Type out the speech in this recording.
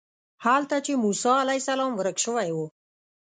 هلته چې موسی علیه السلام ورک شوی و.